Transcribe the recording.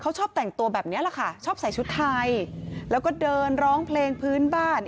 เขาชอบแต่งตัวแบบนี้แหละค่ะชอบใส่ชุดไทยแล้วก็เดินร้องเพลงพื้นบ้าน